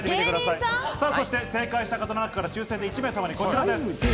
正解した方の中から抽選で１名様にこちらです。